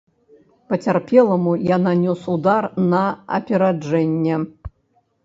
Пацярпеламу я нанёс удар на апераджэнне.